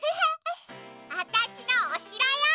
わたしのおしろよ！